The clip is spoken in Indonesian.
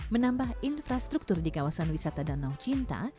menambah infrastruktur di kawasan wisata danau cinta